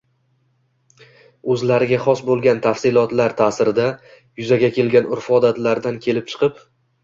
o‘zlariga xos bo‘lgan tafsilotlar ta’sirida yuzaga kelgan urf-odatlaridan kelib chiqib